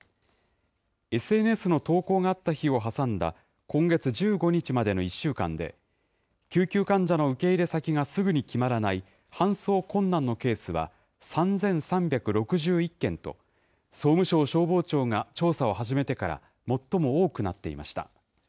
ＳＮＳの投稿があった日を挟んだ今月１５日までの１週間で、救急患者の受け入れ先がすぐに決まらない搬送困難のケースは３３６１件と、総務省消防庁が調査を始めてから最も多くなっていました。